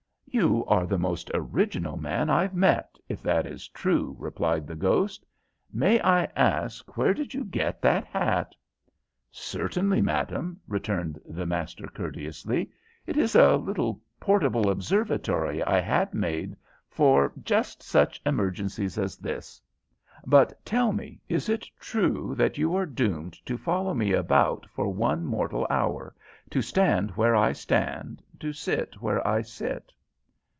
"You are the most original man I've met, if that is true," returned the ghost. "May I ask where did you get that hat?" "Certainly, madam," returned the master, courteously. "It is a little portable observatory I had made for just such emergencies as this. But, tell me, is it true that you are doomed to follow me about for one mortal hour to stand where I stand, to sit where I sit?"